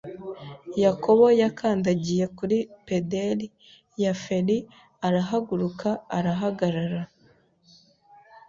Yakobo yakandagiye kuri pederi ya feri arahaguruka arahagarara.